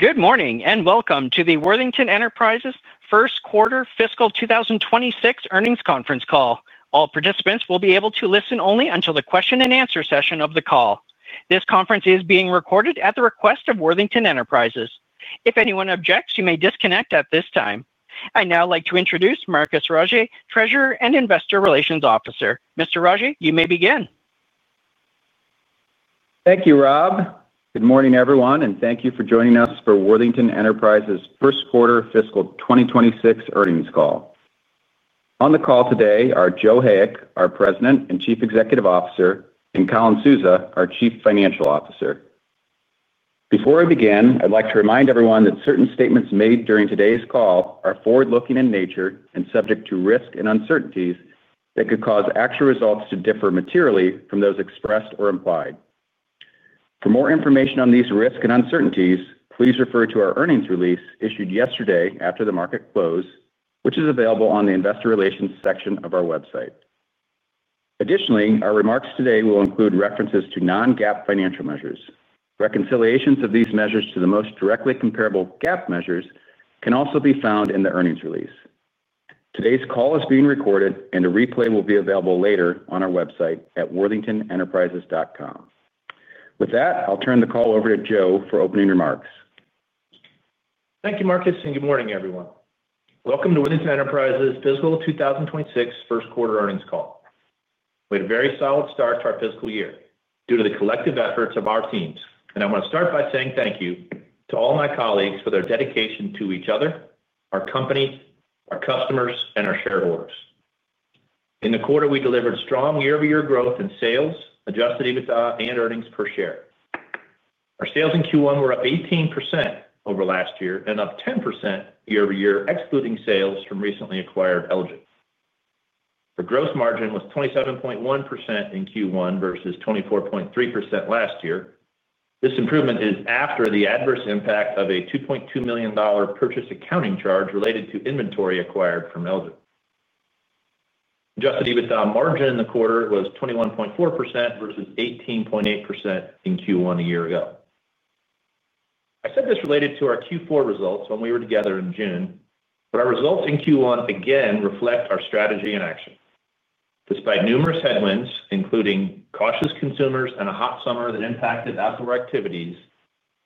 Good morning and welcome to the Worthington Enterprises' First Quarter Fiscal 2026 Earnings Conference Call. All participants will be able to listen only until the question and answer session of the call. This conference is being recorded at the request of Worthington Enterprises. If anyone objects, you may disconnect at this time. I now like to introduce Marcus Rogier, Treasurer and Investor Relations Officer. Mr. Rogier, you may begin. Thank you, Rob. Good morning, everyone, and thank you for joining us for Worthington Enterprises' First Quarter Fiscal 2026 Earnings Call. On the call today are Joe Hayek, our President and Chief Executive Officer, and Colin Souza, our Chief Financial Officer. Before we begin, I'd like to remind everyone that certain statements made during today's call are forward-looking in nature and subject to risks and uncertainties that could cause actual results to differ materially from those expressed or implied. For more information on these risks and uncertainties, please refer to our earnings release issued yesterday after the market close, which is available on the investor relations section of our website. Additionally, our remarks today will include references to non-GAAP financial measures. Reconciliations of these measures to the most directly comparable GAAP measures can also be found in the earnings release. Today's call is being recorded, and a replay will be available later on our website at worthingtonenterprises.com. With that, I'll turn the call over to Joe for opening remarks. Thank you, Marcus, and good morning, everyone. Welcome to Worthington Enterprises' Fiscal 2026 First Quarter Earnings Call. We had a very solid start to our fiscal year due to the collective efforts of our teams, and I want to start by saying thank you to all my colleagues for their dedication to each other, our company, our customers, and our shareholders in the quarter. We delivered strong year-over-year growth in sales, adjusted EBITDA, and earnings per share. Our sales in Q1 were up 18% over last year and up 10% year-over-year, excluding sales from recently acquired Elgen. Our gross margin was 27.1% in Q1 versus 24.3% last year. This improvement is after the adverse impact of a $2.2 million purchase accounting charge related to inventory acquired from Elgen. Adjusted EBITDA margin in the quarter was 21.4% versus 18.8% in Q1 a year ago. I said this related to our Q4 results when we were together in June, but our results in Q1 again reflect our strategy and action. Despite numerous headwinds, including cautious consumers and a hot summer that impacted outdoor activities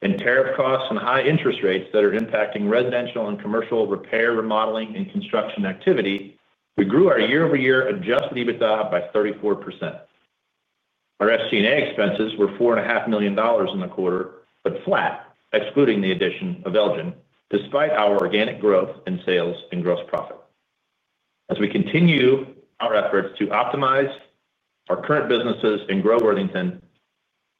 and tariff costs and high interest rates that are impacting residential and commercial repair, remodeling, and construction activity, we grew our year-over-year adjusted EBITDA by 34%. Our FG&A expenses were $4.5 million in the quarter, but flat, excluding the addition of Elgen, despite our organic growth in sales and gross profit. As we continue our efforts to optimize our current businesses and grow Worthington,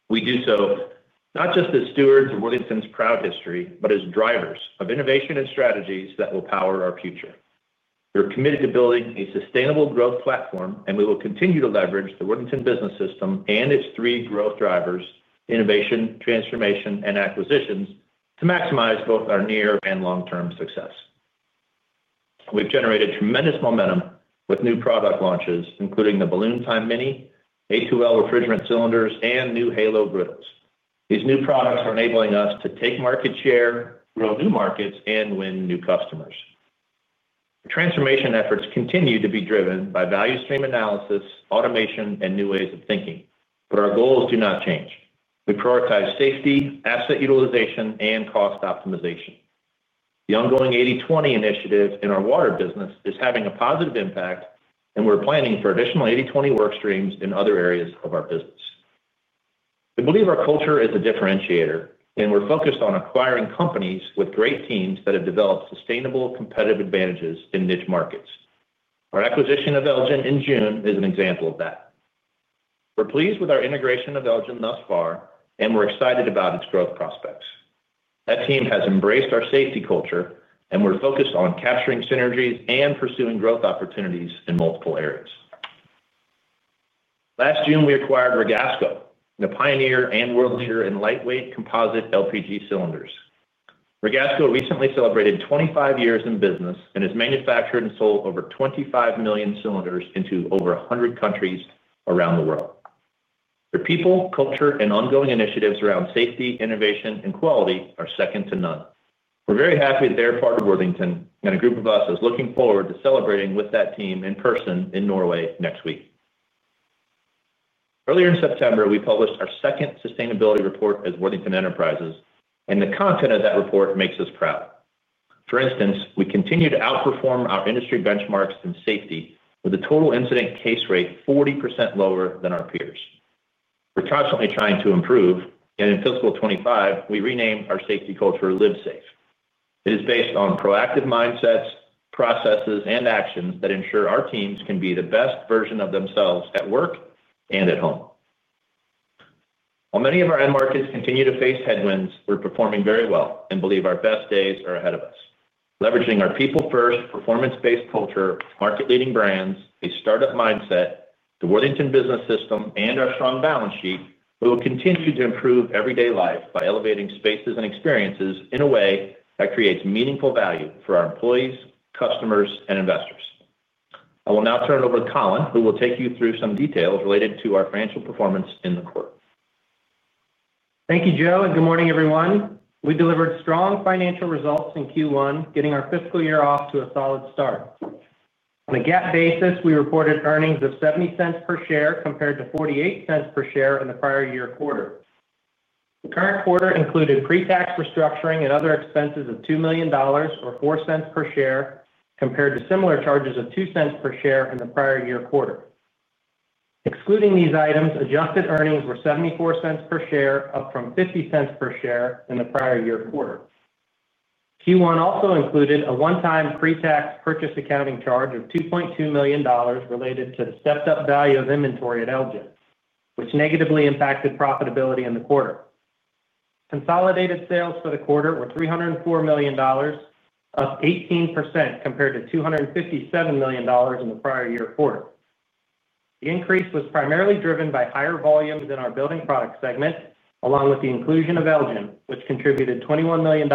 we do so not just as stewards of Worthington's proud history, but as drivers of innovation and strategies that will power our future. We are committed to building a sustainable growth platform, and we will continue to leverage the Worthington business system and its three growth drivers: innovation, transformation, and acquisitions to maximize both our near and long-term success. We've generated tremendous momentum with new product launches, including the Balloon Time Mini, A2L refrigerant cylinders, and new HALO griddles. These new products are enabling us to take market share, grow new markets, and win new customers. Transformation efforts continue to be driven by value stream analysis, automation, and new ways of thinking, but our goals do not change. We prioritize safety, asset utilization, and cost optimization. The ongoing 80/20 initiative in our water business is having a positive impact, and we're planning for additional 80/20 workstreams in other areas of our business. We believe our culture is a differentiator, and we're focused on acquiring companies with great teams that have developed sustainable competitive advantages in niche markets. Our acquisition of Elgen in June is an example of that. We're pleased with our integration of Elgen thus far, and we're excited about its growth prospects. That team has embraced our safety culture, and we're focused on capturing synergies and pursuing growth opportunities in multiple areas. Last June, we acquired Ragasco, a pioneer and world leader in lightweight composite LPG cylinders. Ragasco recently celebrated 25 years in business and has manufactured and sold over 25 million cylinders into over 100 countries around the world. Their people, culture, and ongoing initiatives around safety, innovation, and quality are second to none. We're very happy they're part of Worthington, and a group of us is looking forward to celebrating with that team in person in Norway next week. Earlier in September, we published our second sustainability report as Worthington Enterprises, and the content of that report makes us proud. For instance, we continue to outperform our industry benchmarks in safety, with a total incident case rate 40% lower than our peers. We're constantly trying to improve, and in fiscal 2025, we renamed our safety culture LiveSafe. It is based on proactive mindsets, processes, and actions that ensure our teams can be the best version of themselves at work and at home. While many of our end markets continue to face headwinds, we're performing very well and believe our best days are ahead of us. Leveraging our people-first, performance-based culture, market-leading brands, a startup mindset, the Worthington business system, and our strong balance sheet, we will continue to improve everyday life by elevating spaces and experiences in a way that creates meaningful value for our employees, customers, and investors. I will now turn it over to Colin, who will take you through some details related to our financial performance in the quarter. Thank you, Joe, and good morning, everyone. We delivered strong financial results in Q1, getting our fiscal year off to a solid start. On a GAAP basis, we reported earnings of $0.70 per share compared to $0.48 per share in the prior year quarter. The current quarter included pre-tax restructuring and other expenses of $2 million or $0.04 per share compared to similar charges of $0.02 per share in the prior year quarter. Excluding these items, adjusted earnings were $0.74 per share, up from $0.50 per share in the prior year quarter. Q1 also included a one-time pre-tax purchase accounting charge of $2.2 million related to the stepped-up value of inventory at Elgen, which negatively impacted profitability in the quarter. Consolidated sales for the quarter were $304 million, up 18% compared to $257 million in the prior year quarter. The increase was primarily driven by higher volumes in our building product segment, along with the inclusion of Elgen, which contributed $21 million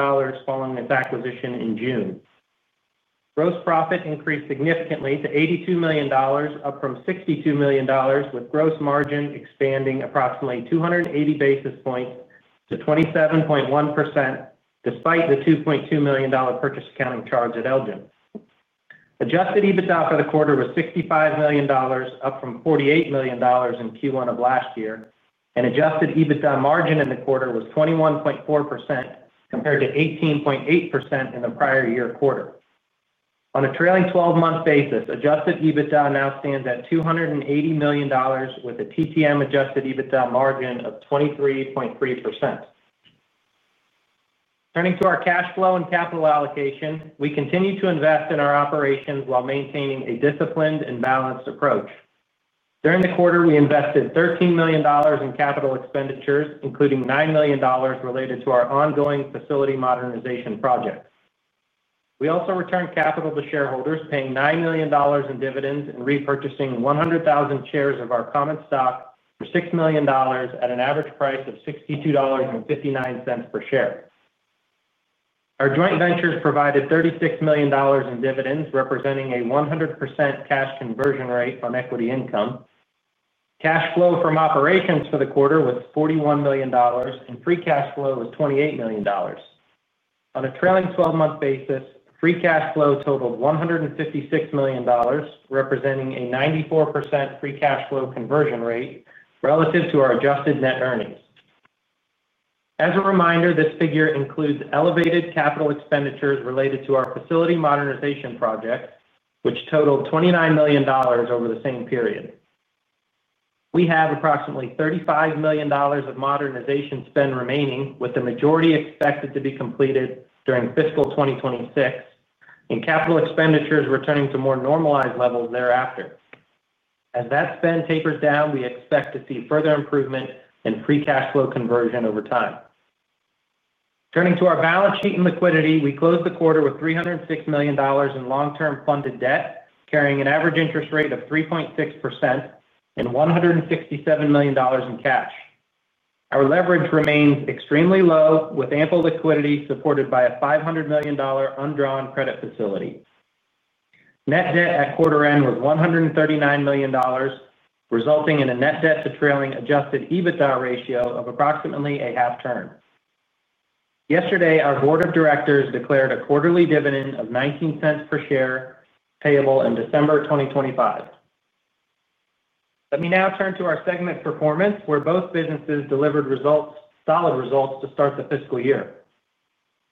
following its acquisition in June. Gross profit increased significantly to $82 million, up from $62 million, with gross margin expanding approximately 280 basis points to 27.1%, despite the $2.2 million purchase accounting charge at Elgen. Adjusted EBITDA for the quarter was $65 million, up from $48 million in Q1 of last year, and adjusted EBITDA margin in the quarter was 21.4% compared to 18.8% in the prior year quarter. On a trailing 12-month basis, adjusted EBITDA now stands at $280 million, with a TCM adjusted EBITDA margin of 23.3%. Turning to our cash flow and capital allocation, we continue to invest in our operations while maintaining a disciplined and balanced approach. During the quarter, we invested $13 million in capital expenditures, including $9 million related to our ongoing facility modernization project. We also returned capital to shareholders, paying $9 million in dividends and repurchasing 100,000 shares of our common stock for $6 million at an average price of $62.59 per share. Our joint ventures provided $36 million in dividends, representing a 100% cash conversion rate on equity income. Cash flow from operations for the quarter was $41 million, and free cash flow was $28 million. On a trailing 12-month basis, free cash flow totaled $156 million, representing a 94% free cash flow conversion rate relative to our adjusted net earnings. As a reminder, this figure includes elevated capital expenditures related to our facility modernization project, which totaled $29 million over the same period. We have approximately $35 million of modernization spend remaining, with the majority expected to be completed during fiscal 2026, and capital expenditures returning to more normalized levels thereafter. As that spend tapers down, we expect to see further improvement in free cash flow conversion over time. Turning to our balance sheet and liquidity, we closed the quarter with $306 million in long-term funded debt, carrying an average interest rate of 3.6% and $167 million in cash. Our leverage remains extremely low, with ample liquidity supported by a $500 million undrawn credit facility. Net debt at quarter end was $139 million, resulting in a net debt to trailing adjusted EBITDA ratio of approximately a half turn. Yesterday, our Board of Directors declared a quarterly dividend of $0.19 per share payable in December 2025. Let me now turn to our segment performance, where both businesses delivered solid results to start the fiscal year.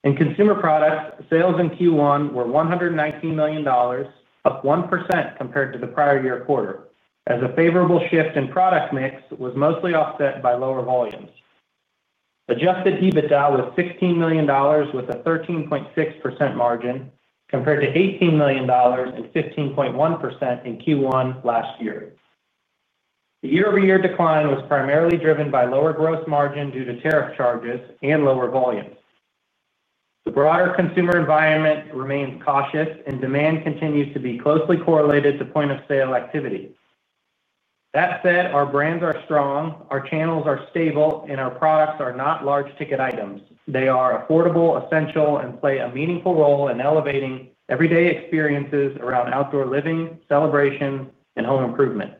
In consumer products, sales in Q1 were $119 million, up 1% compared to the prior year quarter, as a favorable shift in product mix was mostly offset by lower volumes. Adjusted EBITDA was $16 million, with a 13.6% margin compared to $18 million and 15.1% in Q1 last year. The year-over-year decline was primarily driven by lower gross margin due to tariff charges and lower volumes. The broader consumer environment remains cautious, and demand continues to be closely correlated to point-of-sale activities. That said, our brands are strong, our channels are stable, and our products are not large ticket items. They are affordable, essential, and play a meaningful role in elevating everyday experiences around outdoor living, celebration, and home improvement.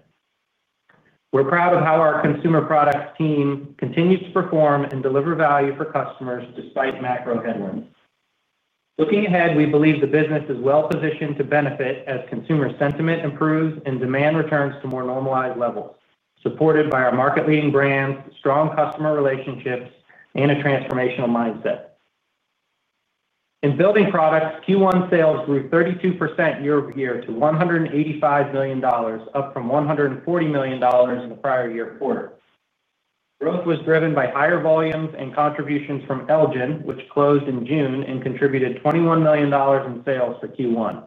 We're proud of how our consumer products team continues to perform and deliver value for customers despite macro headwinds. Looking ahead, we believe the business is well-positioned to benefit as consumer sentiment improves and demand returns to more normalized levels, supported by our market-leading brands, strong customer relationships, and a transformational mindset. In building products, Q1 sales grew 32% year-over-year to $185 million, up from $140 million in the prior year quarter. Growth was driven by higher volumes and contributions from Elgen, which closed in June and contributed $21 million in sales for Q1.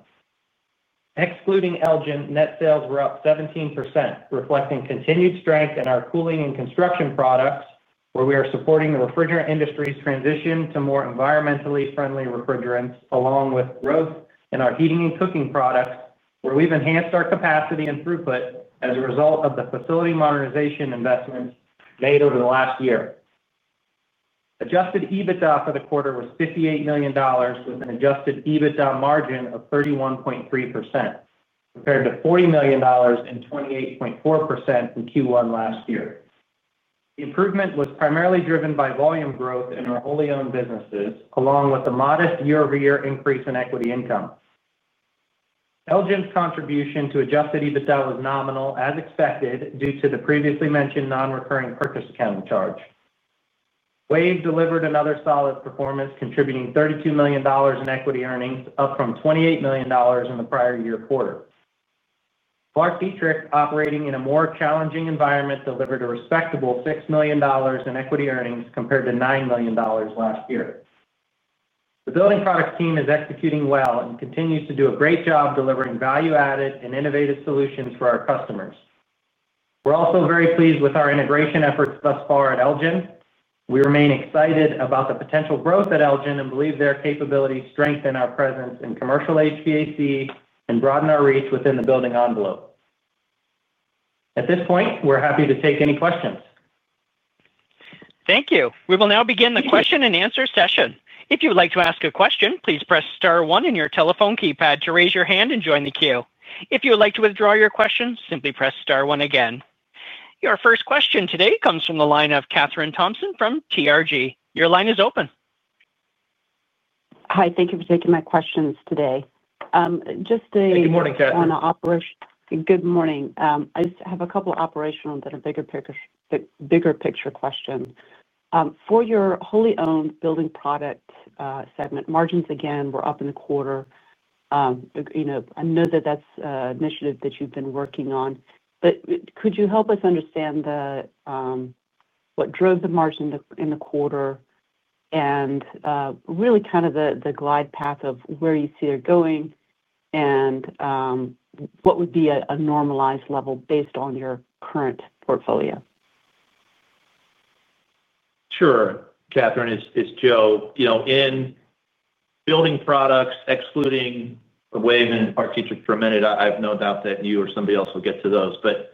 Excluding Elgen, net sales were up 17%, reflecting continued strength in our cooling and construction products, where we are supporting the refrigerant industry's transition to more environmentally friendly refrigerants, along with growth in our heating and cooking products, where we've enhanced our capacity and throughput as a result of the facility modernization investments made over the last year. Adjusted EBITDA for the quarter was $58 million, with an adjusted EBITDA margin of 31.3% compared to $40 million and 28.4% in Q1 last year. The improvement was primarily driven by volume growth in our wholly owned businesses, along with a modest year-over-year increase in equity income. Elgen's contribution to adjusted EBITDA was nominal, as expected, due to the previously mentioned non-recurring purchase accounting charge. WAVE delivered another solid performance, contributing $32 million in equity earnings, up from $28 million in the prior year quarter. ClarkDietrich, operating in a more challenging environment, delivered a respectable $6 million in equity earnings compared to $9 million last year. The building products team is executing well and continues to do a great job delivering value-added and innovative solutions for our customers. We're also very pleased with our integration efforts thus far at Elgen. We remain excited about the potential growth at Elgen and believe their capabilities strengthen our presence in commercial HVAC and broaden our reach within the building envelope. At this point, we're happy to take any questions. Thank you. We will now begin the question and answer session. If you would like to ask a question, please press star one on your telephone keypad to raise your hand and join the queue. If you would like to withdraw your question, simply press star one again. Your first question today comes from the line of Kathryn Thompson from TRG. Your line is open. Hi, thank you for taking my questions today. Good morning, Kathryn. Good morning. I just have a couple operational that are bigger picture questions for your wholly owned building product segment. Margins again were up in the quarter. I know that that's an initiative that you've been working on, but could you help us understand what drove the margin in the quarter and really kind of the glide path of where you see they're going and what would be a normalized level based on your current portfolio? Sure, Kathryn, it's Joe. In building products, excluding WAVE and ClarkDietrich for a minute, I have no doubt that you or somebody else will get to those, but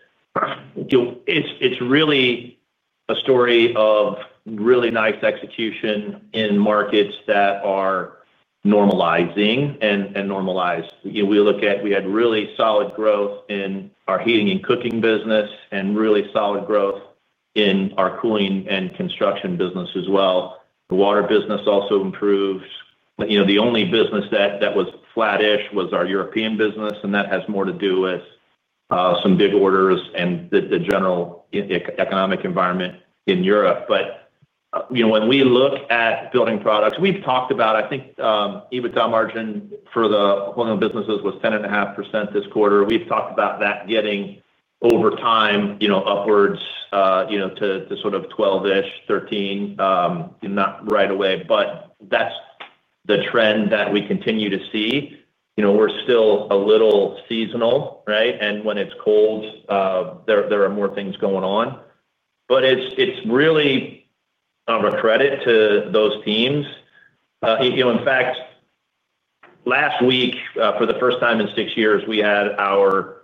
it's really a story of really nice execution in markets that are normalizing and normalized. We look at we had really solid growth in our heating and cooking business and really solid growth in our cooling and construction business as well. The water business also improved. The only business that was flattish was our European business, and that has more to do with some big orders and the general economic environment in Europe. When we look at building products, we've talked about, I think, EBITDA margin for the wholly owned businesses was 10.5% this quarter. We've talked about that getting over time upwards to sort of 12%, 13%, not right away, but that's the trend that we continue to see. We're still a little seasonal, right? When it's cold, there are more things going on. It's really a credit to those teams. In fact, last week, for the first time in six years, we had our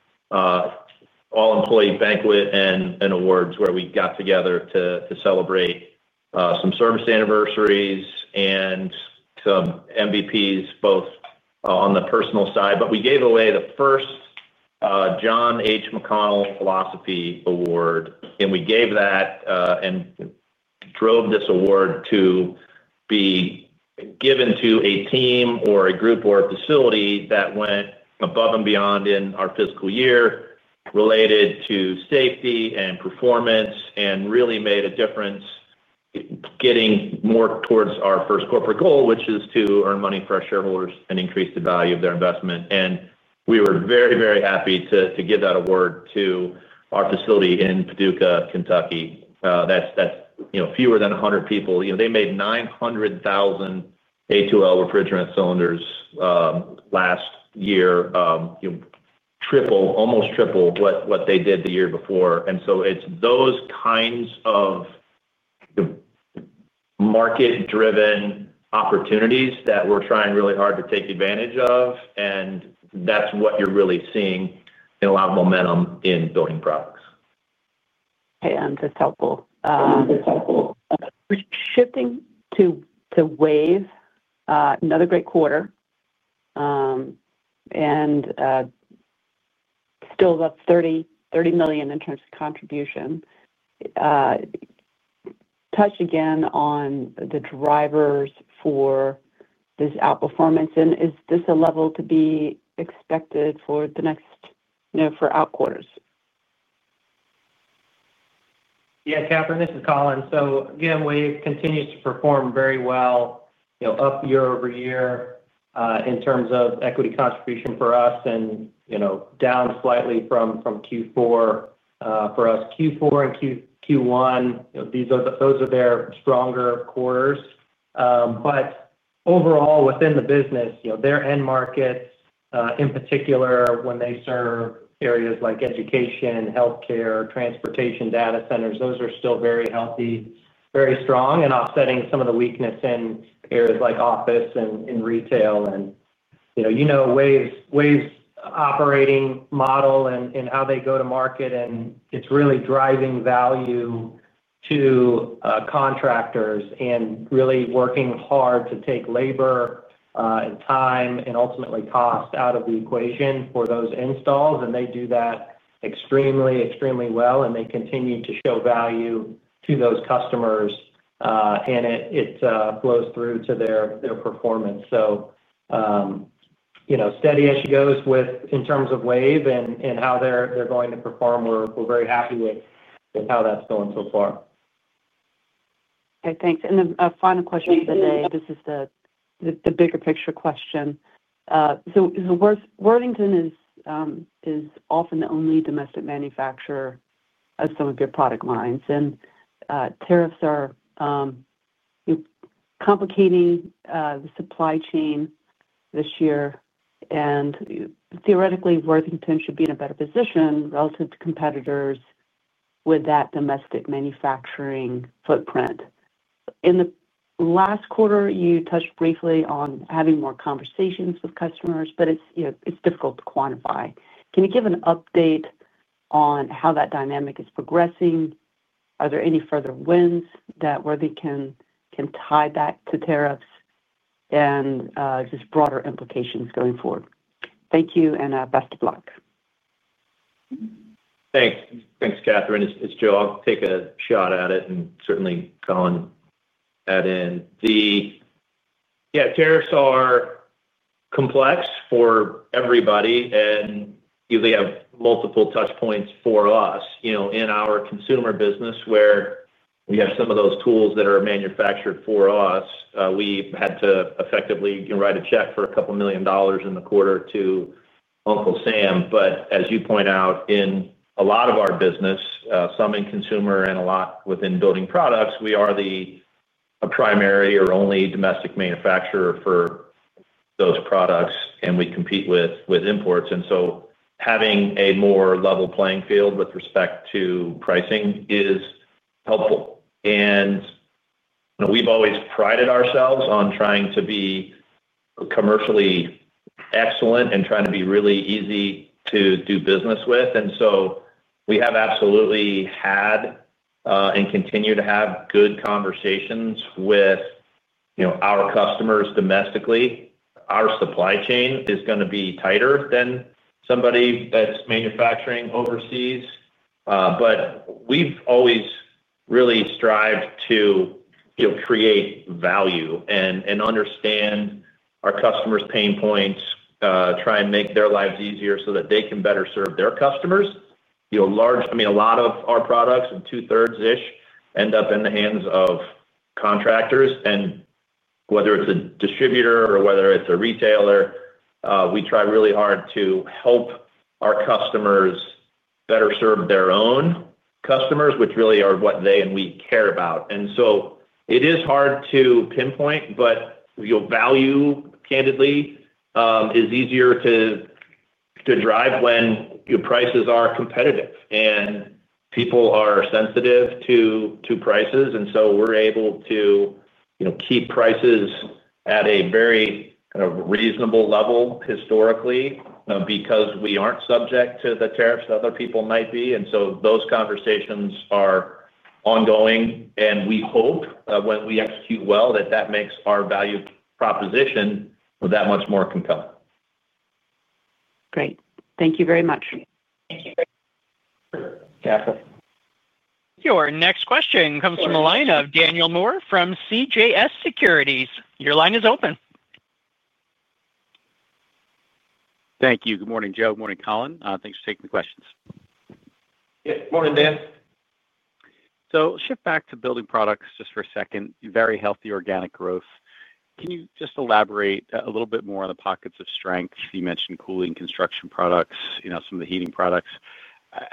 all-employee banquet and awards where we got together to celebrate some service anniversaries and some MVPs, both on the personal side. We gave away the first John H. McConnell Philosophy Award, and we gave that and drove this award to be given to a team or a group or a facility that went above and beyond in our fiscal year related to safety and performance and really made a difference getting more towards our first corporate goal, which is to earn money for our shareholders and increase the value of their investment. We were very, very happy to give that award to our facility in Paducah, Kentucky. That's fewer than 100 people. They made 900,000 A2L refrigerant cylinders last year, almost triple what they did the year before. It's those kinds of market-driven opportunities that we're trying really hard to take advantage of, and that's what you're really seeing in a lot of momentum in building products. Hey, that's helpful. Shifting to WAVE, another great quarter and still about $30 million in terms of contribution. Touch again on the drivers for this outperformance, and is this a level to be expected for the next, you know, for outquarters? Yes, Kathryn, this is Colin. WAVE continues to perform very well, up year-over-year in terms of equity contribution for us and down slightly from Q4 for us. Q4 and Q1, those are their stronger quarters. Overall, within the business, their end market in particular, when they serve areas like education, healthcare, transportation, data centers, those are still very healthy, very strong and offsetting some of the weakness in areas like office and retail. You know WAVE's operating model and how they go to market, and it's really driving value to contractors and really working hard to take labor, time, and ultimately cost out of the equation for those installs. They do that extremely, extremely well, and they continue to show value to those customers, and it flows through to their performance. Steady as she goes in terms of WAVE and how they're going to perform. We're very happy with how that's going so far. Okay, thanks. A final question for the day, this is the bigger picture question. Worthington is often the only domestic manufacturer of some of your product lines, and tariffs are complicating the supply chain this year. Theoretically, Worthington should be in a better position relative to competitors with that domestic manufacturing footprint. In the last quarter, you touched briefly on having more conversations with customers, but it's difficult to quantify. Can you give an update on how that dynamic is progressing? Are there any further wins that Worthington can tie back to tariffs and just broader implications going forward? Thank you and best of luck. Thanks. Thanks, Kathryn. It's Joe. I'll take a shot at it and certainly, Colin, add in. Yeah, tariffs are complex for everybody, and they have multiple touch points for us, you know, in our consumer business where we have some of those tools that are manufactured for us. We had to effectively write a check for a couple million dollars in the quarter to Uncle Sam. As you point out, in a lot of our business, some in consumer and a lot within building products, we are the primary or only domestic manufacturer for those products, and we compete with imports. Having a more level playing field with respect to pricing is helpful. We've always prided ourselves on trying to be commercially excellent and trying to be really easy to do business with. We have absolutely had and continue to have good conversations with, you know, our customers domestically. Our supply chain is going to be tighter than somebody that's manufacturing overseas. We've always really strived to, you know, create value and understand our customers' pain points, try and make their lives easier so that they can better serve their customers. Large, I mean, a lot of our products and two-thirds-ish end up in the hands of contractors, and whether it's a distributor or whether it's a retailer, we try really hard to help our customers better serve their own customers, which really are what they and we care about. It is hard to pinpoint, but your value candidly is easier to drive when your prices are competitive and people are sensitive to prices. We're able to, you know, keep prices at a very kind of reasonable level historically because we aren't subject to the tariffs that other people might be. Those conversations are ongoing, and we hope that when we execute well, that that makes our value proposition that much more compelling. Great, thank you very much. Thank you. Your next question comes from a line of Daniel Moore from CJS Securities. Your line is open. Thank you. Good morning, Joe. Good morning, Colin. Thanks for taking the questions. Morning, Dan. I'll shift back to building products just for a second. Very healthy organic growth. Can you just elaborate a little bit more on the pockets of strength? You mentioned cooling and construction products, you know, some of the heating products.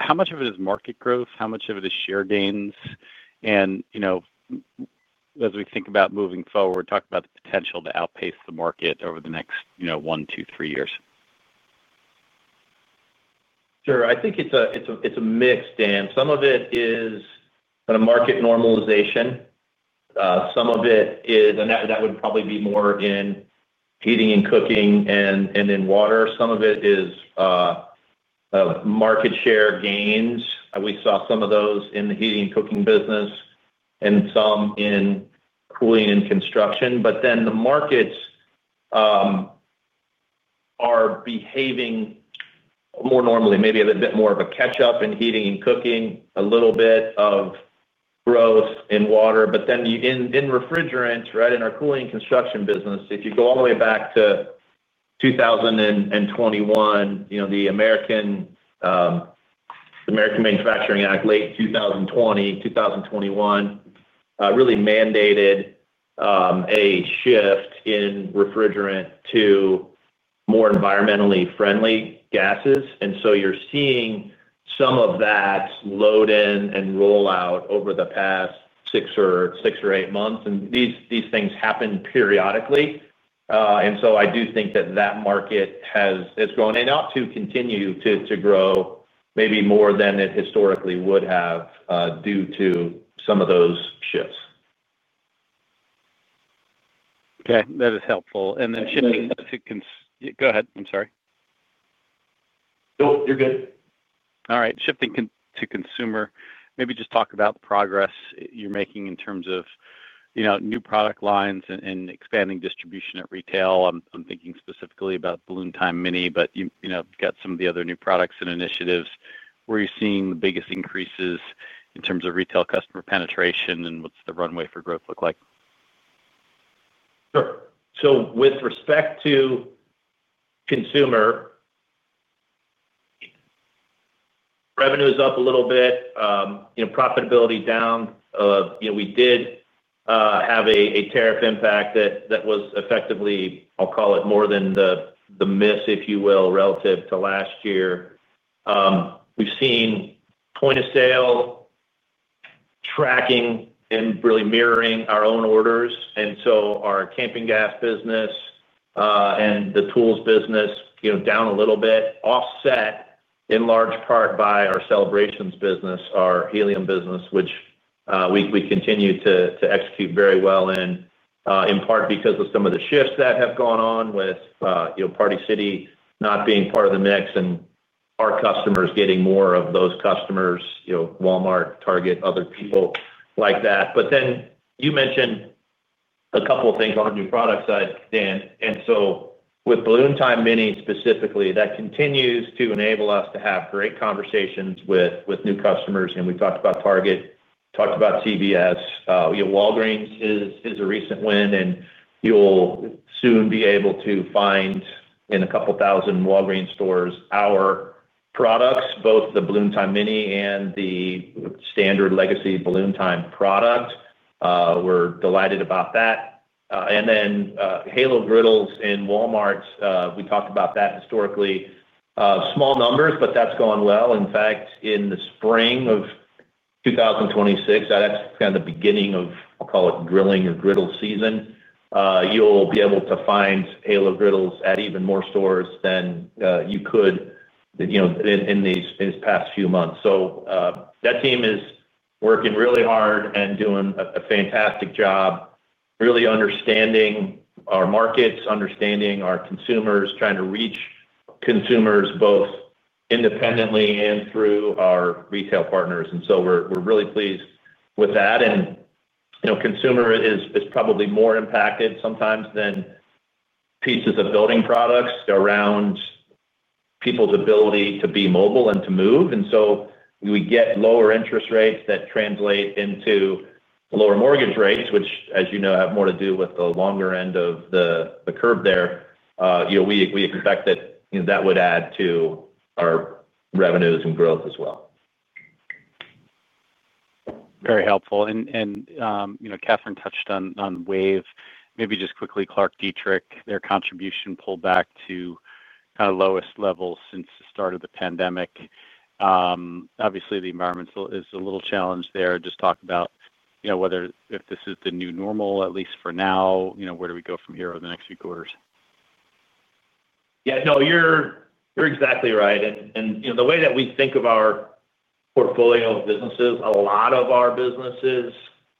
How much of it is market growth? How much of it is share gains? As we think about moving forward, talk about the potential to outpace the market over the next, you know, one, two, three years. Sure. I think it's a mix, Dan. Some of it is a market normalization. Some of it is, and that would probably be more in heating and cooking and in water. Some of it is market share gains. We saw some of those in the heating and cooking business and some in cooling and construction. The markets are behaving more normally, maybe a bit more of a catch-up in heating and cooking, a little bit of growth in water. In refrigerants, right, in our cooling and construction business, if you go all the way back to 2021, you know, the American Innovation and Manufacturing, late 2020, 2021, really mandated a shift in refrigerant to more environmentally friendly gases. You're seeing some of that load in and roll out over the past six or eight months. These things happen periodically. I do think that market has grown enough to continue to grow maybe more than it historically would have due to some of those shifts. Okay, that is helpful. Shifting to, go ahead, I'm sorry. No, you're good. All right. Shifting to consumer, maybe just talk about the progress you're making in terms of new product lines and expanding distribution at retail. I'm thinking specifically about Balloon Time Mini, but you've got some of the other new products and initiatives. Where are you seeing the biggest increases in terms of retail customer penetration, and what's the runway for growth look like? Sure. With respect to consumer, revenue is up a little bit, profitability down. We did have a tariff impact that was effectively, I'll call it more than the miss, if you will, relative to last year. We've seen point of sale tracking and really mirroring our own orders. Our camping gas business and the tools business are down a little bit, offset in large part by our celebrations business, our helium business, which we continue to execute very well in, in part because of some of the shifts that have gone on with Party City not being part of the mix and our customers getting more of those customers, Walmart, Target, other people like that. You mentioned a couple of things on the new product side, Dan. With Balloon Time Mini specifically, that continues to enable us to have great conversations with new customers. We talked about Target, talked about CVS. Walgreens is a recent win, and you'll soon be able to find in a couple thousand Walgreens stores our products, both the Balloon Time Mini and the standard legacy Balloon Time product. We're delighted about that. HALO griddles in Walmart, we talked about that historically, small numbers, but that's gone well. In fact, in the spring of 2026, that's kind of the beginning of, I'll call it grilling or griddle season. You'll be able to find HALO griddles at even more stores than you could in these past few months. That team is working really hard and doing a fantastic job really understanding our markets, understanding our consumers, trying to reach consumers both independently and through our retail partners. We're really pleased with that. Consumer is probably more impacted sometimes than pieces of building products around people's ability to be mobile and to move. We get lower interest rates that translate into lower mortgage rates, which, as you know, have more to do with the longer end of the curve there. We expect that would add to our revenues and growth as well. Very helpful. Kathryn touched on WAVE. Maybe just quickly, ClarkDietrich, their contribution pulled back to kind of lowest levels since the start of the pandemic. Obviously, the environment is a little challenged there. Just talk about whether this is the new normal, at least for now, where do we go from here over the next few quarters? Yeah, no, you're exactly right. You know, the way that we think of our portfolio of businesses, a lot of our businesses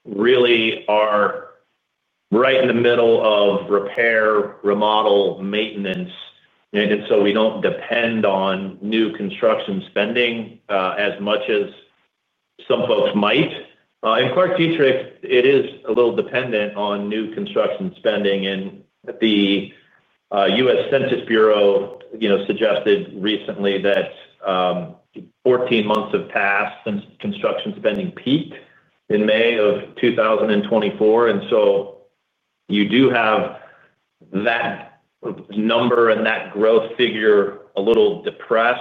really are right in the middle of repair, remodel, maintenance. We don't depend on new construction spending as much as some folks might. In ClarkDietrich, it is a little dependent on new construction spending. The U.S. Census Bureau suggested recently that 14 months have passed since construction spending peaked in May of 2024. You do have that number and that growth figure a little depressed.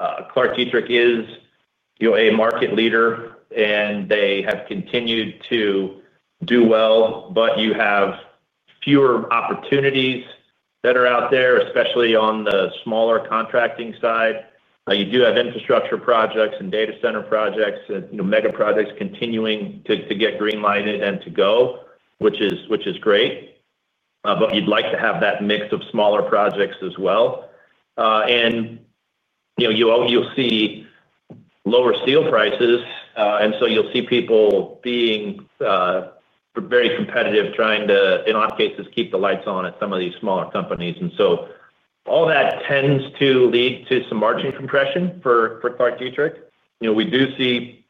ClarkDietrich is a market leader, and they have continued to do well, but you have fewer opportunities that are out there, especially on the smaller contracting side. You do have infrastructure projects and data center projects, mega projects continuing to get greenlighted and to go, which is great. You'd like to have that mix of smaller projects as well. You'll see lower sale prices, and so you'll see people being very competitive, trying to, in a lot of cases, keep the lights on at some of these smaller companies. All that tends to lead to some margin compression for ClarkDietrich. We do see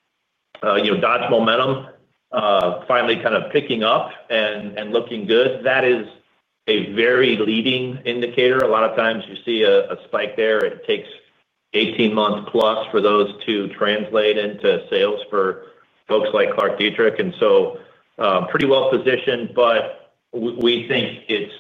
Dodge momentum finally kind of picking up and looking good. That is a very leading indicator. A lot of times you see a spike there. It takes 18 months plus for those to translate into sales for folks like ClarkDietrich. Pretty well positioned, but we think it's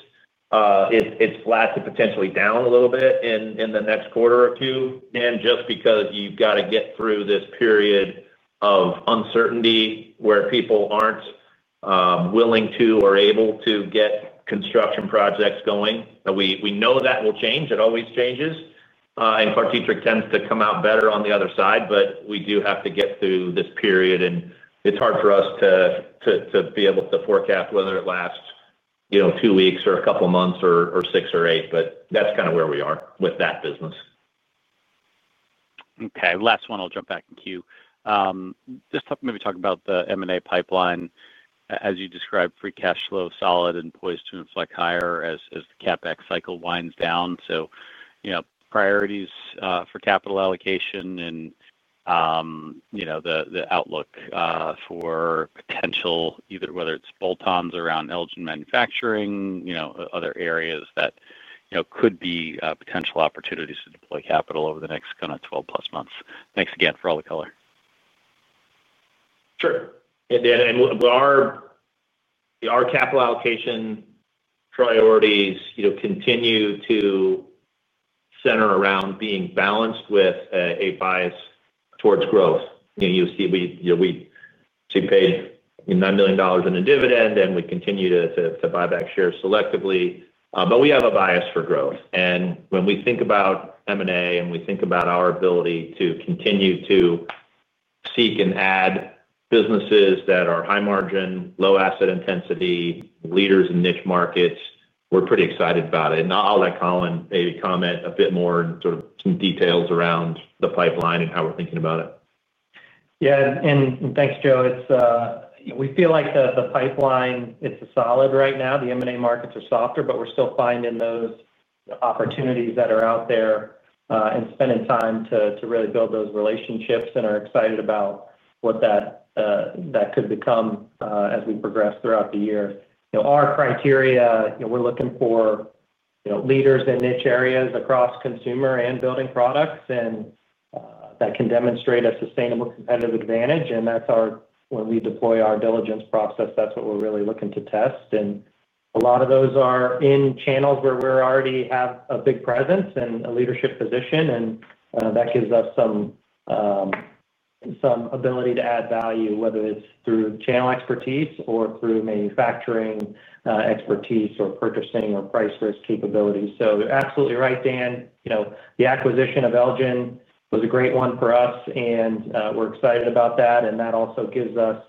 flat to potentially down a little bit in the next quarter or two, just because you've got to get through this period of uncertainty where people aren't willing to or able to get construction projects going. We know that will change. It always changes. ClarkDietrich tends to come out better on the other side, but we do have to get through this period. It's hard for us to be able to forecast whether it lasts two weeks or a couple of months or six or eight. That's kind of where we are with that business. Okay, last one, I'll jump back in queue. Just maybe talk about the M&A pipeline. As you described, free cash flow is solid and poised to inflect higher as the CapEx cycle winds down. You know, priorities for capital allocation and the outlook for potential, either whether it's bolt-ons around Elgen Manufacturing, other areas that could be potential opportunities to deploy capital over the next kind of 12 plus months. Thanks again for all the color. Sure. Our capital allocation priorities continue to center around being balanced with a bias towards growth. You'll see we paid $9 million in a dividend, and we continue to buy back shares selectively. We have a bias for growth. When we think about M&A and our ability to continue to seek and add businesses that are high margin, low asset intensity, leaders in niche markets, we're pretty excited about it. I'll let Colin maybe comment a bit more and provide some details around the pipeline and how we're thinking about it. Yeah, and thanks, Joe. We feel like the pipeline is solid right now. The M&A markets are softer, but we're still finding those opportunities that are out there and spending time to really build those relationships and are excited about what that could become as we progress throughout the year. Our criteria, you know, we're looking for leaders in niche areas across consumer and building products that can demonstrate a sustainable competitive advantage. That's our, when we deploy our diligence process, that's what we're really looking to test. A lot of those are in channels where we already have a big presence and a leadership position. That gives us some ability to add value, whether it's through the channel expertise or through manufacturing expertise or purchasing or price risk capabilities. You're absolutely right, Dan. The acquisition of Elgen was a great one for us, and we're excited about that. That also gives us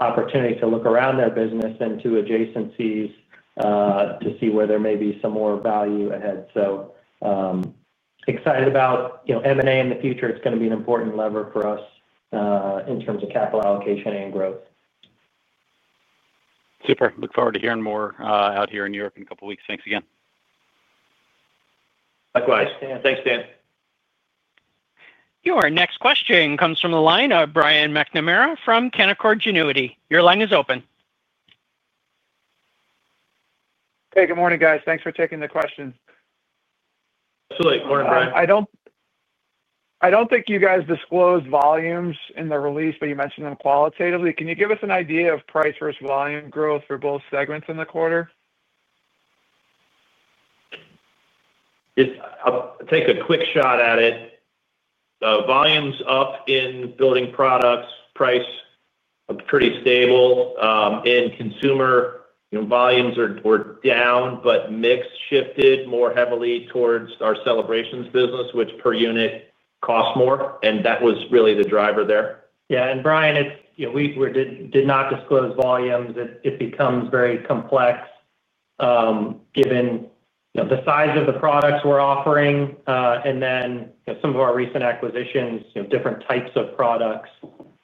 opportunity to look around their business into adjacencies to see where there may be some more value ahead. Excited about M&A in the future. It's going to be an important lever for us in terms of capital allocation and growth. Super. Look forward to hearing more out here in New York in a couple of weeks. Thanks again. Likewise. Yeah, thanks, Dan. Your next question comes from the line of Brian McNamara from Canaccord Genuity. Your line is open. Okay, good morning, guys. Thanks for taking the questions. Absolutely. Morning, Brian. I don't think you guys disclosed volumes in the release, but you mentioned them qualitatively. Can you give us an idea of price versus volume growth for both segments in the quarter? I'll take a quick shot at it. The volumes up in building products, price pretty stable. In consumer, you know, volumes were down, but mix shifted more heavily towards our celebrations business, which per unit costs more. That was really the driver there. Yeah, Brian, we did not disclose volumes. It becomes very complex given the size of the products we're offering. Some of our recent acquisitions have different types of products.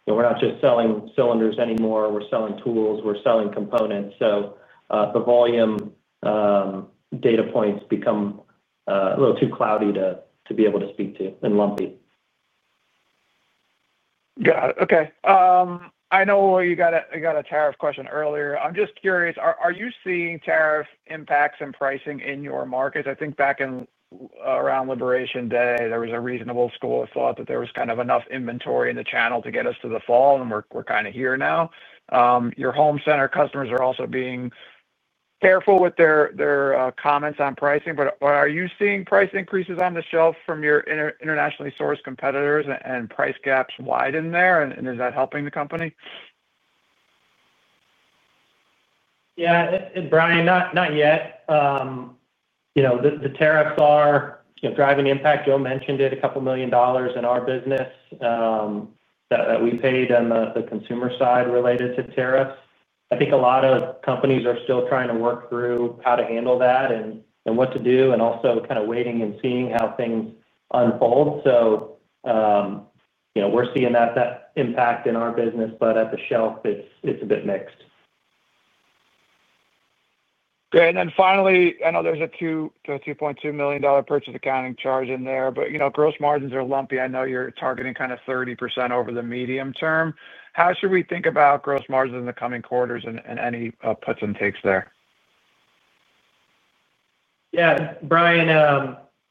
We're not just selling cylinders anymore. We're selling tools and components, so the volume data points become a little too cloudy to be able to speak to and lumpy. Got it. Okay. I know you got a tariff question earlier. I'm just curious, are you seeing tariff impacts in pricing in your markets? I think back in around Liberation Day, there was a reasonable school of thought that there was kind of enough inventory in the channel to get us to the fall, and we're kind of here now. Your home center customers are also being careful with their comments on pricing. Are you seeing price increases on the shelf from your internationally sourced competitors and price gaps widen there? Is that helping the company? Yeah, Brian, not yet. The tariffs are driving the impact. Joe mentioned it, a couple million dollars in our business that we paid on the consumer side related to tariffs. I think a lot of companies are still trying to work through how to handle that and what to do, and also kind of waiting and seeing how things unfold. We're seeing that impact in our business, but at the shelf, it's a bit mixed. Okay. Finally, I know there's a $2.2 million purchase accounting charge in there, but gross margins are lumpy. I know you're targeting kind of 30% over the medium term. How should we think about gross margins in the coming quarters and any puts and takes there? Yeah, Brian,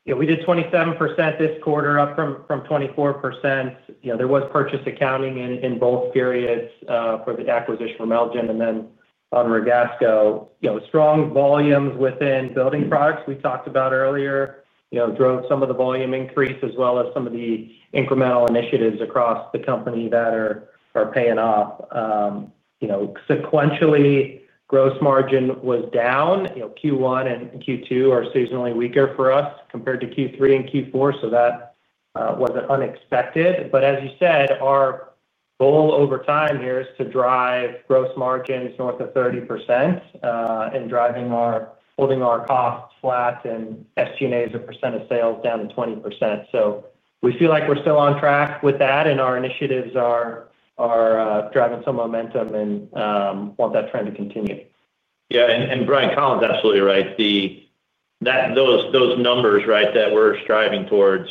you know, we did 27% this quarter, up from 24%. There was purchase accounting in both periods for the acquisition from Elgen. And then on Ragasco, strong volumes within building products we talked about earlier drove some of the volume increase as well as some of the incremental initiatives across the company that are paying off. Sequentially, gross margin was down. Q1 and Q2 are seasonally weaker for us compared to Q3 and Q4. That wasn't unexpected. As you said, our goal over time here is to drive gross margins north of 30% and driving or holding our costs flat and SG&A as a percent of sales down to 20%. We feel like we're still on track with that, and our initiatives are driving some momentum and want that trend to continue. Yeah, and Brian, Colin's absolutely right. Those numbers that we're striving towards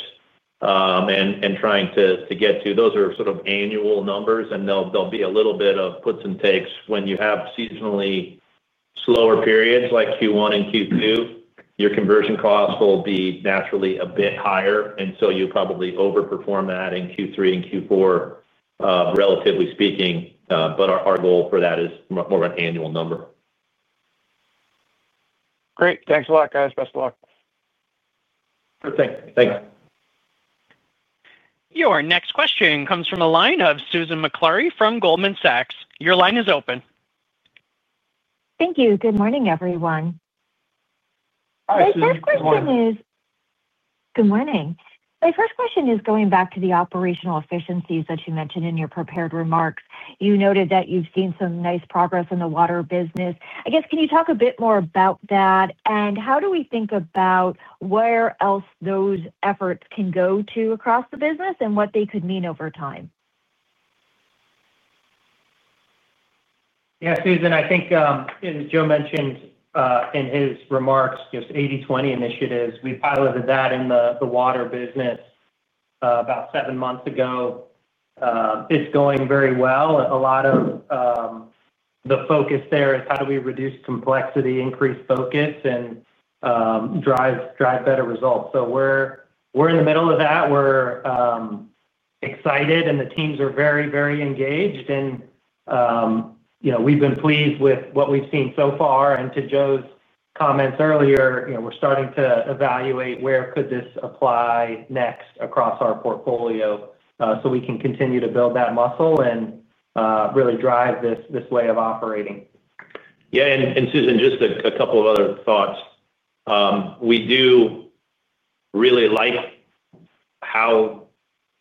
and trying to get to, those are sort of annual numbers, and there'll be a little bit of puts and takes. When you have seasonally slower periods like Q1 and Q2, your conversion costs will be naturally a bit higher, and you probably overperform that in Q3 and Q4, relatively speaking. Our goal for that is more of an annual number. Great. Thanks a lot, guys. Best of luck. Thanks. Thanks. Your next question comes from a line of Susan Maklari from Goldman Sachs. Your line is open. Thank you. Good morning, everyone. Hi, Susan. Good morning. Good morning. My first question is going back to the operational efficiencies that you mentioned in your prepared remarks. You noted that you've seen some nice progress in the water business. Can you talk a bit more about that? How do we think about where else those efforts can go across the business and what they could mean over time? Yeah, Susan, I think Joe mentioned in his remarks just 80/20 initiatives. We piloted that in the water business about seven months ago. It's going very well. A lot of the focus there is how do we reduce complexity, increase focus, and drive better results. We're in the middle of that. We're excited, and the teams are very, very engaged. We've been pleased with what we've seen so far. To Joe's comments earlier, we're starting to evaluate where could this apply next across our portfolio so we can continue to build that muscle and really drive this way of operating. Yeah, and Susan, just a couple of other thoughts. We do really like how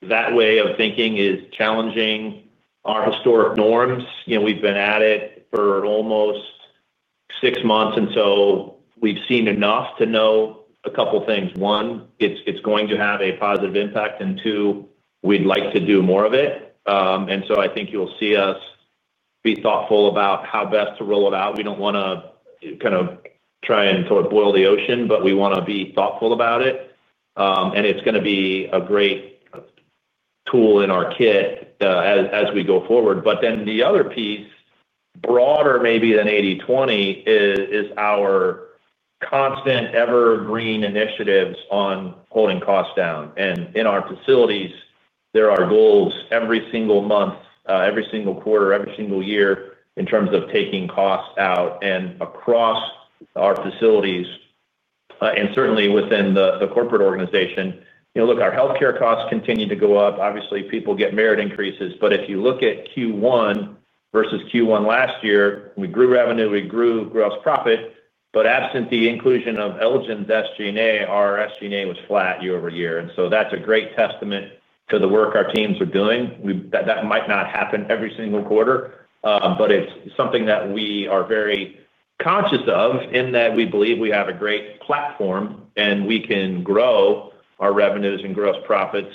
that way of thinking is challenging our historic norms. We've been at it for almost six months, and we've seen enough to know a couple of things. One, it's going to have a positive impact, and two, we'd like to do more of it. I think you'll see us be thoughtful about how best to roll it out. We don't want to kind of try and sort of boil the ocean, but we want to be thoughtful about it. It's going to be a great tool in our kit as we go forward. The other piece, broader maybe than 80/20, is our constant evergreen initiatives on holding costs down. In our facilities, there are goals every single month, every single quarter, every single year in terms of taking costs out and across our facilities and certainly within the corporate organization. Our healthcare costs continue to go up. Obviously, people get merit increases. If you look at Q1 versus Q1 last year, we grew revenue, we grew gross profit, but absent the inclusion of Elgen's SG&A, our SG&A was flat year-over-year. That's a great testament to the work our teams are doing. That might not happen every single quarter, but it's something that we are very conscious of in that we believe we have a great platform and we can grow our revenues and gross profits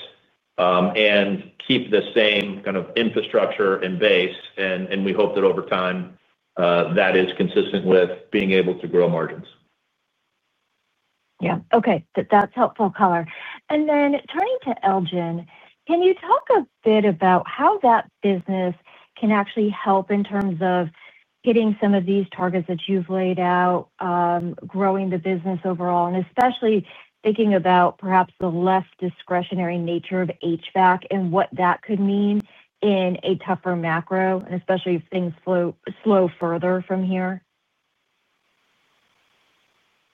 and keep the same kind of infrastructure and base. We hope that over time that is consistent with being able to grow margins. Okay, that's helpful, Colin. Turning to Elgen, can you talk a bit about how that business can actually help in terms of hitting some of these targets that you've laid out, growing the business overall, and especially thinking about perhaps the less discretionary nature of HVAC and what that could mean in a tougher macro, especially if things slow further from here?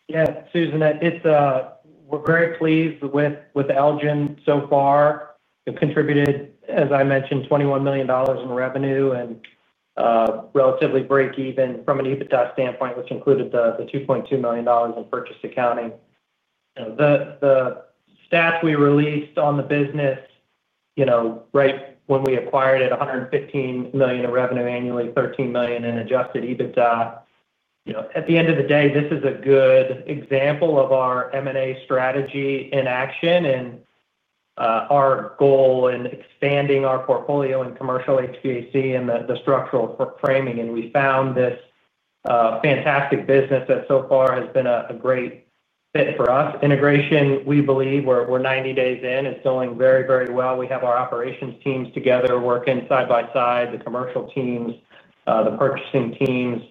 Yeah, Susan, we're very pleased with Elgen so far. It contributed, as I mentioned, $21 million in revenue and relatively break even from an EBITDA standpoint, which included the $2.2 million in purchase accounting. The stats we released on the business right when we acquired it, $115 million in revenue annually, $13 million in adjusted EBITDA. At the end of the day, this is a good example of our M&A strategy in action and our goal in expanding our portfolio in commercial HVAC and the structural framing. We found this fantastic business that so far has been a great fit for us. Integration, we believe we're 90 days in and selling very, very well. We have our operations teams together working side by side, the commercial teams, the purchasing teams.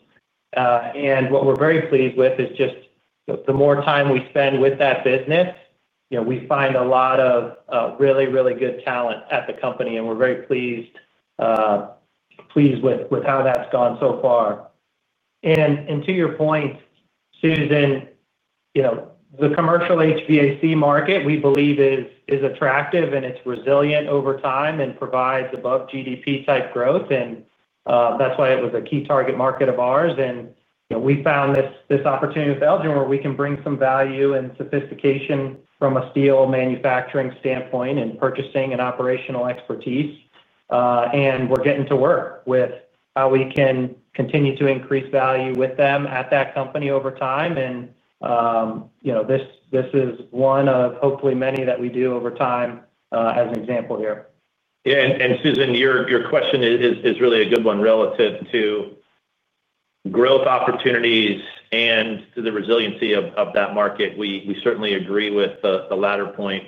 What we're very pleased with is just the more time we spend with that business, we find a lot of really, really good talent at the company, and we're very pleased with how that's gone so far. To your point, Susan, the commercial HVAC market we believe is attractive and it's resilient over time and provides above GDP type growth. That's why it was a key target market of ours. We found this opportunity with Elgen where we can bring some value and sophistication from a steel manufacturing standpoint and purchasing and operational expertise. We're getting to work with how we can continue to increase value with them at that company over time. This is one of hopefully many that we do over time as an example here. Yeah, and Susan, your question is really a good one relative to growth opportunities and to the resiliency of that market. We certainly agree with the latter point.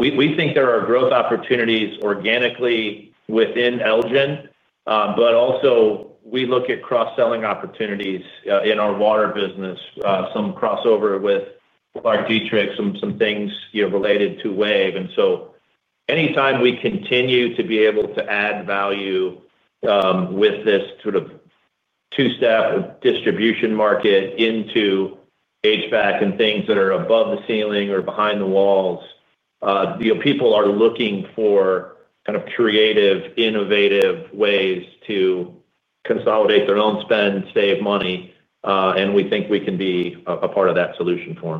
We think there are growth opportunities organically within Elgen, but also we look at cross-selling opportunities in our water business, some crossover with ClarkDietrich, some things related to WAVE. Anytime we continue to be able to add value with this sort of two-step distribution market into HVAC and things that are above the ceiling or behind the walls, you know, people are looking for kind of creative, innovative ways to consolidate their own spend, save money, and we think we can be a part of that solution for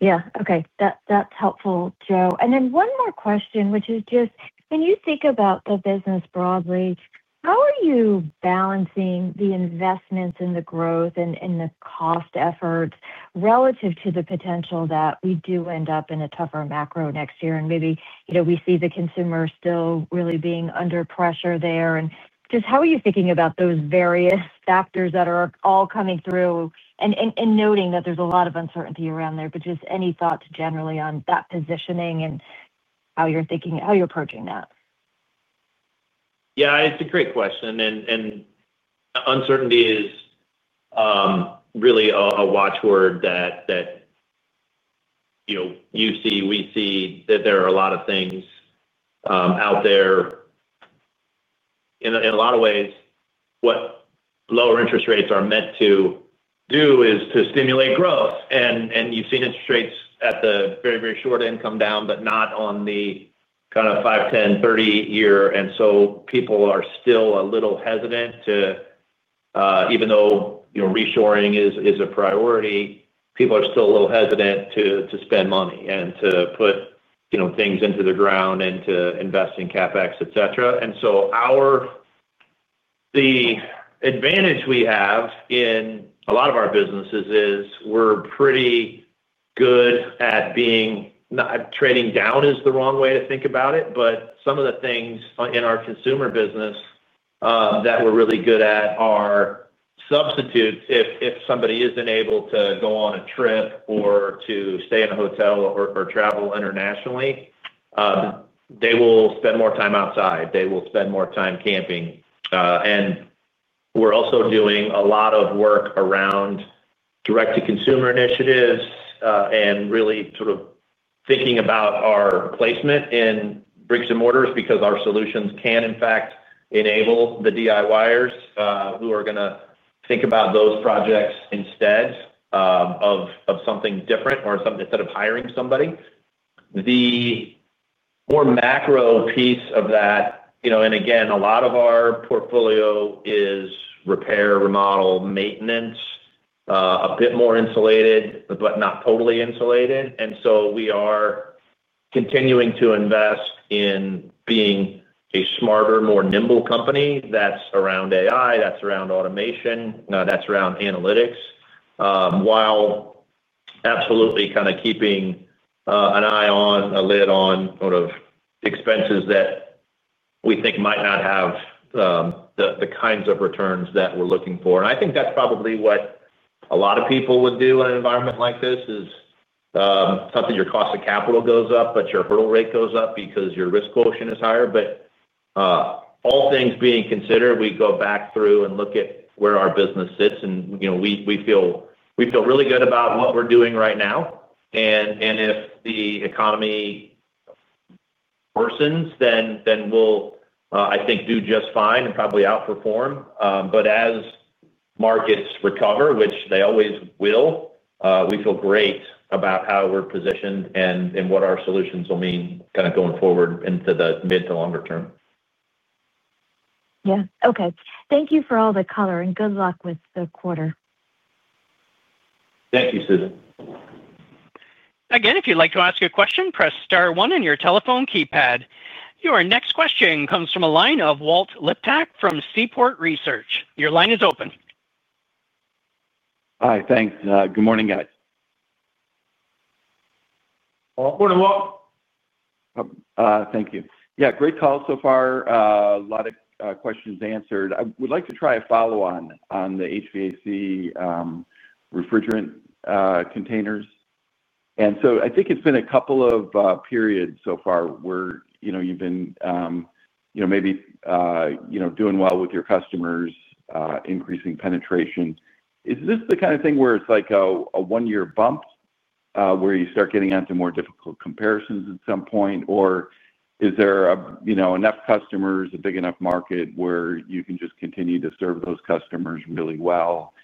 them. Okay, that's helpful, Joe. One more question, which is just, when you think about the business broadly, how are you balancing the investments in the growth and the cost efforts relative to the potential that we do end up in a tougher macro next year? Maybe we see the consumer still really being under pressure there. How are you thinking about those various factors that are all coming through and noting that there's a lot of uncertainty around there? Just any thoughts generally on that positioning and how you're thinking, how you're approaching that? Yeah, it's a great question. Uncertainty is really a watchword that you see. We see that there are a lot of things out there. In a lot of ways, what lower interest rates are meant to do is to stimulate growth. You've seen interest rates at the very, very short end come down, but not on the kind of five, 10, 30-year. People are still a little hesitant to, even though reshoring is a priority, people are still a little hesitant to spend money and to put things into the ground and to invest in CapEx, etc. The advantage we have in a lot of our businesses is we're pretty good at being, not training down is the wrong way to think about it, but some of the things in our consumer business that we're really good at are substitutes. If somebody isn't able to go on a trip or to stay in a hotel or travel internationally, they will spend more time outside. They will spend more time camping. We're also doing a lot of work around direct-to-consumer initiatives and really sort of thinking about our placement in bricks and mortars because our solutions can, in fact, enable the DIYers who are going to think about those projects instead of something different or instead of hiring somebody. The more macro piece of that, you know, a lot of our portfolio is repair, remodel, maintenance, a bit more insulated, but not totally insulated. We are continuing to invest in being a smarter, more nimble company that's around AI, that's around automation, that's around analytics, while absolutely kind of keeping an eye on, a lid on sort of expenses that we think might not have the kinds of returns that we're looking for. I think that's probably what a lot of people would do in an environment like this. It's not that your cost of capital goes up, but your hurdle rate goes up because your risk quotient is higher. All things being considered, we go back through and look at where our business sits. We feel really good about what we're doing right now. If the economy worsens, then we'll, I think, do just fine and probably outperform. As markets recover, which they always will, we feel great about how we're positioned and what our solutions will mean going forward into the mid to longer term. Yeah, okay. Thank you for all the color, and good luck with the quarter. Thank you, Susan. Again, if you'd like to ask a question, press star one on your telephone keypad. Your next question comes from the line of Walt Liptak from Seaport Research. Your line is open. Hi, thanks. Good morning, guys. Good morning, Walt. Thank you. Great call so far. A lot of questions answered. I would like to try a follow-on on the HVAC refrigerant containers. I think it's been a couple of periods so far where you've been doing well with your customers, increasing penetration. Is this the kind of thing where it's like a one-year bump where you start getting onto more difficult comparisons at some point, or is there enough customers, a big enough market where you can just continue to serve those customers really well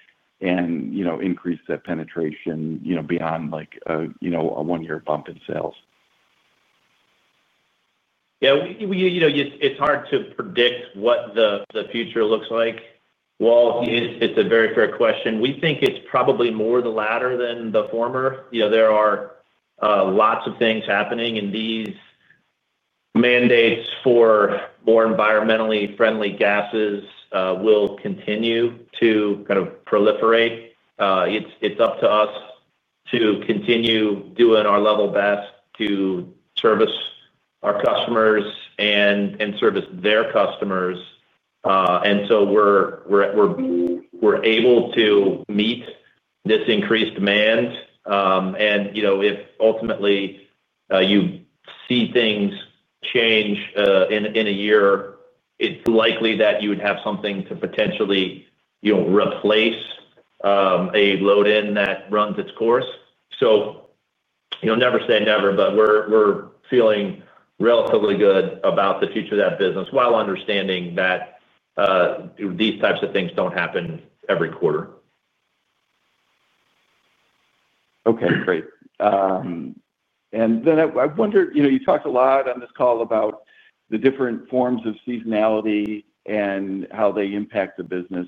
and increase that penetration beyond like a one-year bump in sales? Yeah, you know, it's hard to predict what the future looks like. It's a very fair question. We think it's probably more the latter than the former. There are lots of things happening, and these mandates for more environmentally friendly gases will continue to kind of proliferate. It's up to us to continue doing our level best to service our customers and service their customers. We're able to meet this increased demand. If ultimately you see things change in a year, it's likely that you would have something to potentially replace a load-in that runs its course. Never say never, but we're feeling relatively good about the future of that business while understanding that these types of things don't happen every quarter. Okay, great. I wonder, you talked a lot on this call about the different forms of seasonality and how they impact the business.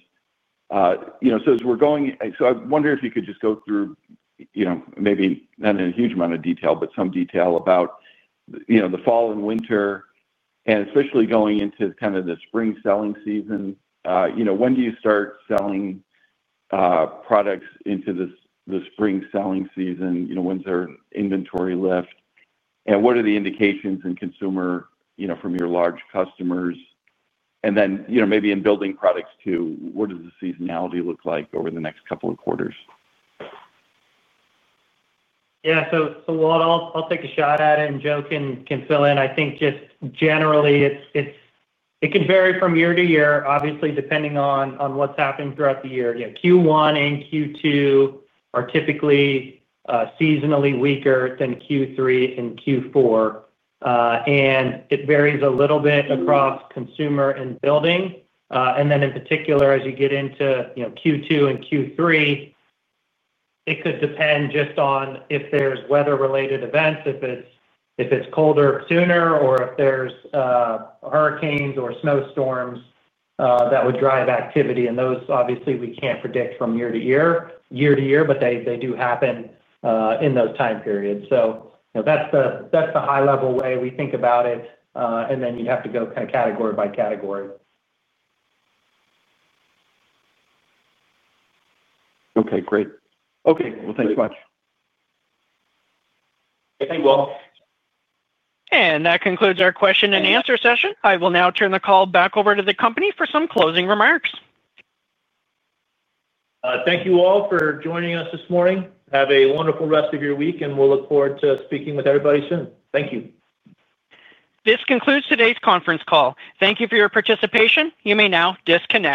As we're going, I wonder if you could just go through, maybe not in a huge amount of detail, but some detail about the fall and winter, and especially going into the spring selling season. When do you start selling products into the spring selling season? When's our inventory lift? What are the indications in consumer, from your large customers? Maybe in building products too, what does the seasonality look like over the next couple of quarters? Yeah, Walt and I'll take a shot at it, and Joe can fill in. I think just generally, it can vary from year to year, obviously, depending on what's happening throughout the year. Q1 and Q2 are typically seasonally weaker than Q3 and Q4. It varies a little bit across consumer and building. In particular, as you get into Q2 and Q3, it could depend just on if there's weather-related events, if it's colder sooner, or if there's hurricanes or snowstorms that would drive activity. Those, obviously, we can't predict from year to year, but they do happen in those time periods. That's a high-level way we think about it. You'd have to go kind of category by category. Okay, great. Okay, thanks much. Okay, thanks, Walt. That concludes our question and answer session. I will now turn the call back over to the company for some closing remarks. Thank you all for joining us this morning. Have a wonderful rest of your week, and we'll look forward to speaking with everybody soon. Thank you. This concludes today's conference call. Thank you for your participation. You may now disconnect.